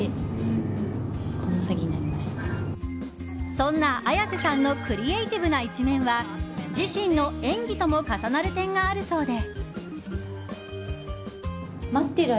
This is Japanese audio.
そんな綾瀬さんのクリエーティブな一面は自身の演技とも重なる点があるそうで。